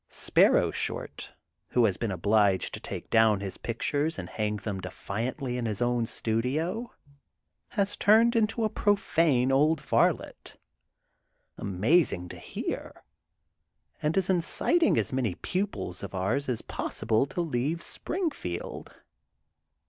Sparrow Short who has been obliged to take down his pic tures and hang them defiantly in his own studio, has turned into a profane old varlet, amazing to hear, and is inciting as many pupils of ours as possible to leave Springfield.